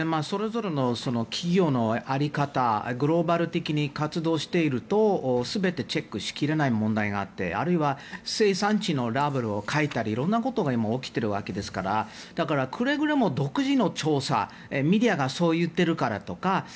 それぞれの企業の在り方グローバル的に活動していると全てチェックしきれない問題があってあるいは生産地のラベルを書いたりいろんなことが今、起きているわけですからくれぐれも独自の調査メディアがそう言っているからとか